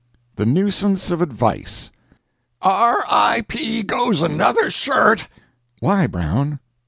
THE NUISANCE OF ADVICE "RIP goes another shirt!" "Why, Brown!"